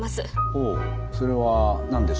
ほうそれは何でしょう？